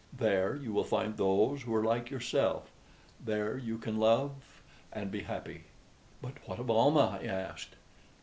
There you will find those who are like yourself; there you can love and be happy." "But what of Almah?" I asked.